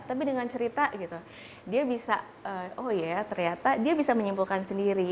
tapi dengan cerita gitu dia bisa oh iya ternyata dia bisa menyimpulkan sendiri